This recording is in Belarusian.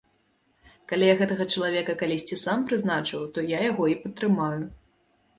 Калі я гэтага чалавека калісьці сам прызначыў, то яго і падтрымаю.